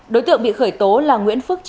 đối tượng bị khởi tố là nguyễn phước